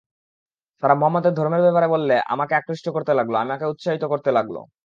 তারা মুহাম্মাদের ধর্মের ব্যাপারে আমাকে আকৃষ্ট করতে লাগল, আমাকে উৎসাহিত করতে লাগল।